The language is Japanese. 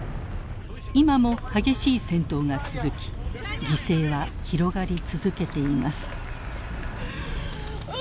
今も激しい戦闘が続き犠牲は広がり続けています。